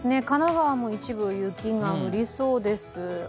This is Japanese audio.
神奈川も一部雪が降りそうです。